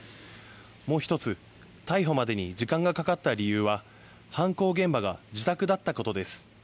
もう１つ逮捕までに時間がかかった理由は犯行現場が自宅だったことです。